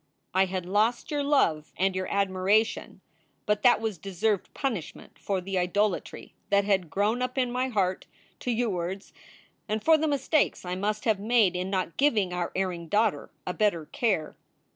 I had lost your love and your admiration, 322 SOULS FOR SALE but that was deserved punishment for the idolatry that had grown up in my heart to youwards; and for the mistakes I must have made in not giving our erring daughter a better care.